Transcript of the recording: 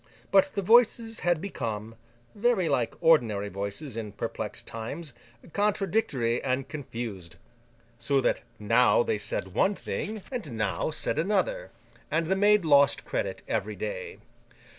But, the Voices had become (very like ordinary voices in perplexed times) contradictory and confused, so that now they said one thing, and now said another, and the Maid lost credit every day.